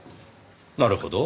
なるほど。